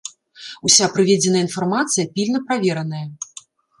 Уся прыведзеная інфармацыя пільна правераная.